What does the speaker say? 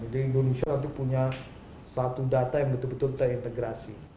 jadi indonesia itu punya satu data yang betul betul terintegrasi